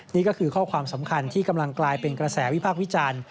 นี่ก็คือข้อความสำคัญที่กำลังกลายเป็นกระแสวิพากษ์วิจารณ์